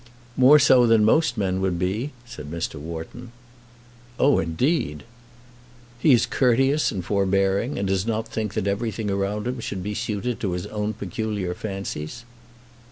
"More so than most men would be," said Mr. Wharton. "Oh, indeed!" "He is courteous and forbearing, and does not think that everything around him should be suited to his own peculiar fancies."